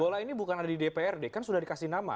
bola ini bukan ada di dprd kan sudah dikasih nama